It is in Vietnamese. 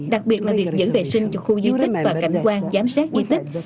đặc biệt là việc giữ vệ sinh cho khu di tích và cảnh quan giám sát di tích